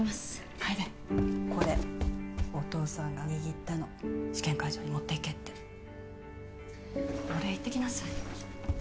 楓これお父さんが握ったの試験会場に持っていけってお礼言ってきなさい